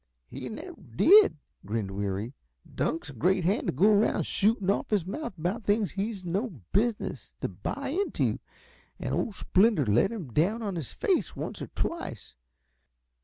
"He never did," grinned Weary. "Dunk's a great hand to go around shooting off his mouth about things he's no business to buy into, and old Splinter let him down on his face once or twice.